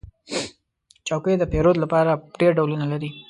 چوکۍ د پیرود لپاره ډېر ډولونه لري.